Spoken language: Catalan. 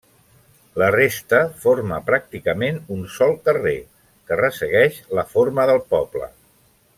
La resta, forma pràcticament un sol carrer, que ressegueix la forma del poble.